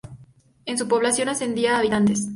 En su población ascendía a habitantes.